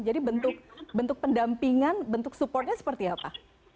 jadi bentuk pendampingan bentuk supportnya seperti apa